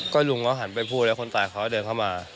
ลุงเขาหันไปพูดแล้วคนตายเขาก็เดินเข้ามา